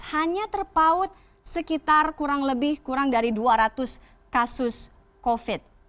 hanya terpaut sekitar kurang lebih kurang dari dua ratus kasus covid